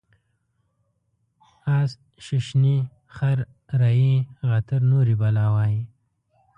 اس ششني ، خر رایي غاتر نوري بلا وایي.